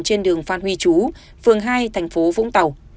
trên đường phan huy chú phường hai tp vũng tàu